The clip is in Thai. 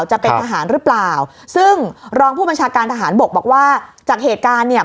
จะเป็นทหารหรือเปล่าซึ่งรองผู้บัญชาการทหารบกบอกว่าจากเหตุการณ์เนี่ย